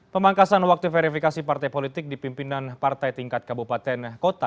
pemangkasan waktu verifikasi partai politik di pimpinan partai tingkat kabupaten kota